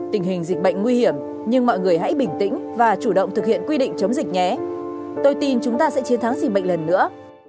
tình hình dịch bệnh nguy hiểm nhưng mọi người hãy bình tĩnh và chủ động thực hiện quy định chống dịch nhé tôi tin chúng ta sẽ chiến thắng dịch bệnh lần nữa